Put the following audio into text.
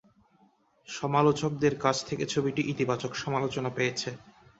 সমালোচকদের কাছ থেকেও ছবিটি ইতিবাচক সমালোচনা পেয়েছে।